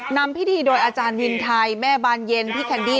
นำพิธีโดยอาจารย์วินไทยแม่บานเย็นพี่แคนดี้